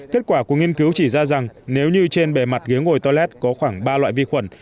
kết quả của nghiên cứu chỉ ra rằng nếu như trên bề mặt ghế ngồi tolet có khoảng ba loại vi khuẩn